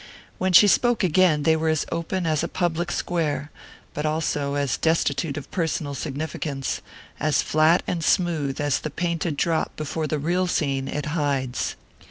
When she spoke again they were as open as a public square, but also as destitute of personal significance, as flat and smooth as the painted drop before the real scene it hides.